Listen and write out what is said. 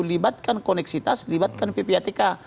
libatkan koneksitas libatkan pptk